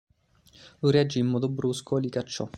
Lui reagì in modo brusco e li cacciò.